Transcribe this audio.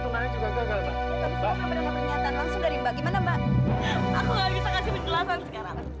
langsung dari bagaimana mbak aku nggak bisa kasih pelan pelan sekarang